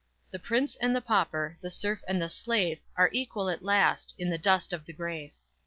_The prince and the pauper, The serf and the slave, Are equal at last In the dust of the grave!